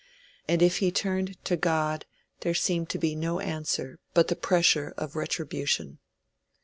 And if he turned to God there seemed to be no answer but the pressure of retribution.